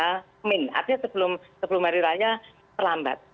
amin artinya sebelum hari raya terlambat